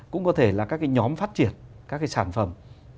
cũng có thể là các nhóm phát triển các sản phẩm